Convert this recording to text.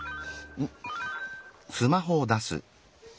うん？